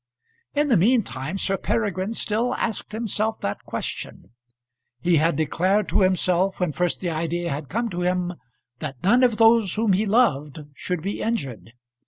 In the mean time Sir Peregrine still asked himself that question. He had declared to himself when first the idea had come to him, that none of those whom he loved should be injured.